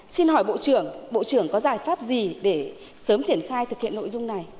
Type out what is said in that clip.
xin hỏi bộ trưởng bộ trưởng có giải pháp gì để sớm triển khai thực hiện nội dung này